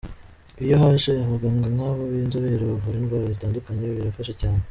Iyo haje abaganga nk’abo b’inzobere bavura indwara zitandukanye birafasha cyane.